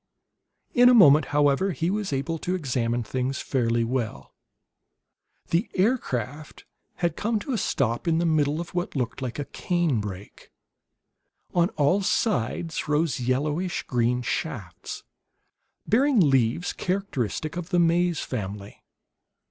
In a moment, however, he was able to examine things fairly well. The aircraft had come to a stop in the middle of what looked like a cane brake. On all sides rose yellowish green shafts, bearing leaves characteristic of the maize family.